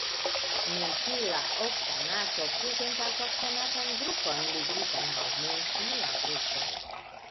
Mentila oktanato prezentas oktanatan grupon ligitan al mentila grupo.